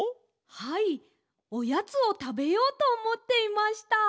はいおやつをたべようとおもっていました。